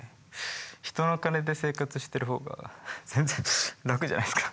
人の金で生活してる方が全然ラクじゃないですか。